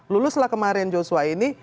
luluslah kemarin joshua ini